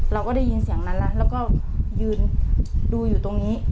เราก็ได้ยินเสียงนั้นแล้วแล้วก็ยืนดูอยู่ตรงนี้